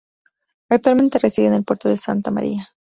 Actualmente reside en El Puerto de Santa María.